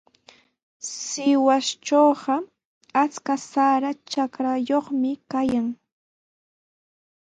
Sihuastrawqa achka sara trakrayuqmi kayan.